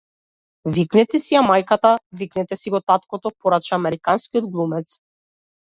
Викнете си ја мајката, викнете си го таткото, порача американскиот глумец.